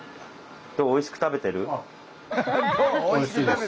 どうおいしく食べてる？